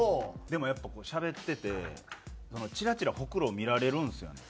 でもやっぱしゃべっててチラチラホクロを見られるんですよね。